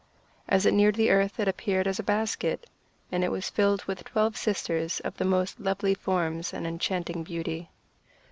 As it neared the earth it appeared as a basket, and it was filled with twelve sisters, of the most lovely forms and enchanting beauty.